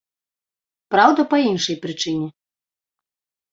Праўда, па іншай прычыне.